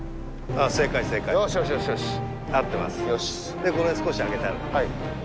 でこれ少し上げてある。